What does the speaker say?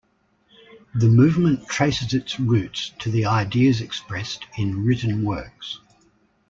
The movement traces its roots to the ideas expressed in written works.